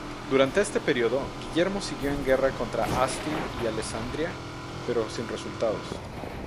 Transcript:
Durante este periodo, Guillermo siguió en guerra contra Asti y Alessandria, pero sin resultados.